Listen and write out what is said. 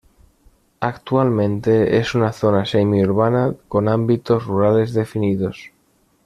Actualmente es una zona semi urbana con ámbitos rurales definidos.